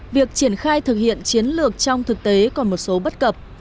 việc triển khai thực hiện chiến lược trong thực tế còn một số bất cập